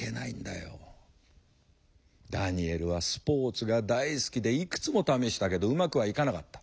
ダニエルはスポーツが大好きでいくつも試したけどうまくはいかなかった。